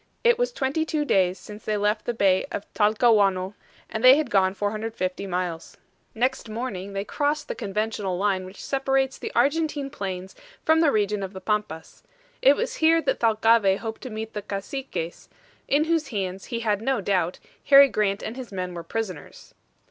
It was twenty two days since they left the Bay of Talcahuano, and they had gone 450 miles. Next morning they crossed the conventional line which separates the Argentine plains from the region of the Pampas. It was here that Thalcave hoped to meet the Caciques, in whose hands, he had no doubt, Harry Grant and his men were prisoners.